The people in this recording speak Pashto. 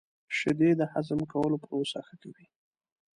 • شیدې د هضم کولو پروسه ښه کوي.